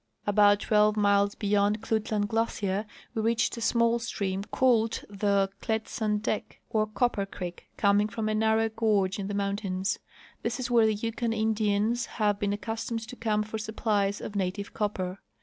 . About twelve miles beyond Klutlan glacier we reached a small stream called the Klet san clek, or Copper creek, coming from a narrow gorge in the mountains. This is where the Yukon In dians have been accustomed to come for supplies of native copper.